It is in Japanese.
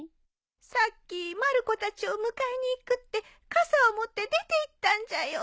さっきまる子たちを迎えに行くって傘を持って出ていったんじゃよ。